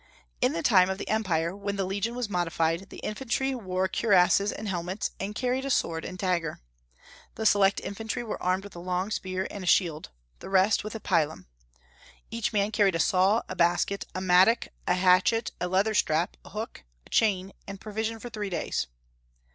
In the time of the empire, when the legion was modified, the infantry wore cuirasses and helmets, and carried a sword and dagger. The select infantry were armed with a long spear and a shield; the rest, with a pilum. Each man carried a saw, a basket, a mattock, a hatchet, a leather strap, a hook, a chain, and provisions for three days.